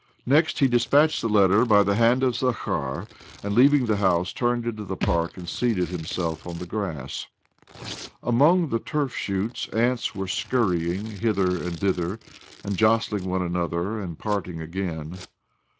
Next, he dispatched the letter by the hand of Zakhar, and, leaving the house, turned into the park, and seated hittiself on the grass. Among the turf shoots ants were scurrying hither and thither, and jostling one another, and parting again.